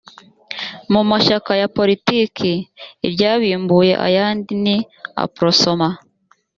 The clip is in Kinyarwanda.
mu mashyaka ya politiki iryabimbuye ayandi ni aprosoma